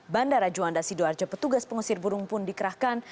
bandara juanda sidoarjo petugas pengusir burung pun dikerahkan